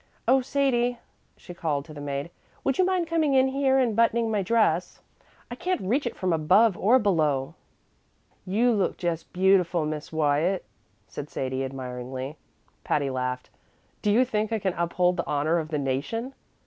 "Oh, Sadie," she called to the maid, "would you mind coming in here and buttoning my dress? I can't reach it from above or below." "You look just beautiful, Miss Wyatt," said Sadie, admiringly. Patty laughed. "Do you think I can uphold the honor of the nation?"